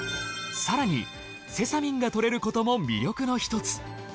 更にセサミンが摂れることも魅力のひとつ。